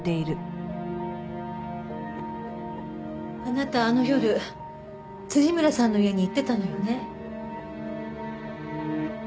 あなたあの夜村さんの家に行ってたのよね？